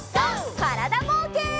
からだぼうけん。